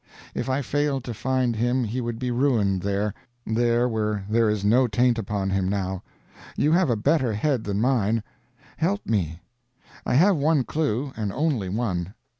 If I failed to find him he would be ruined there there where there is no taint upon him now. You have a better head than mine. Help me. I have one clue, and only one.